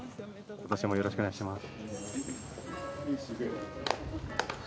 今年もよろしくお願いします。